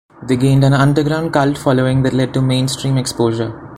They gained an underground cult following that led to mainstream exposure.